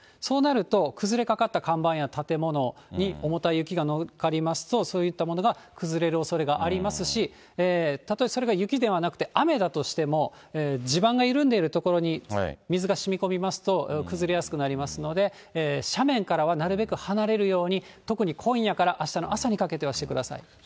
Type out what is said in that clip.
そうなると、崩れかかった看板や建物に重たい雪が乗っかりますと、そういったものが崩れるおそれがありますし、たとえ、それが雪ではなくて雨だとしても、地盤が緩んでいる所に水がしみこみますと、崩れやすくなりますので、斜面からはなるべく離れるように、特に今夜からあしたの朝にかけてはしてください。